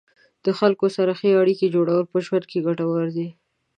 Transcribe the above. د خلکو سره ښې اړیکې جوړول په ژوند کې ګټورې دي.